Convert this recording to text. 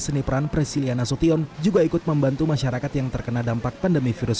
seni peran presiliana sution juga ikut membantu masyarakat yang terkena dampak pandemi virus